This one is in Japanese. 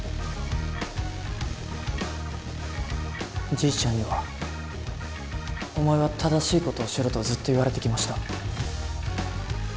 じいちゃんには「お前は正しいことをしろ」とずっと言われてきました